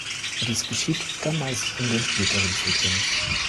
Dies geschieht dann meist in den späteren Zyklen.